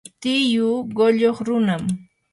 tiyuu qulluq runam.